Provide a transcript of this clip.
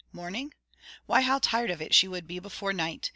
Morning? why, how tired of it she would be before night!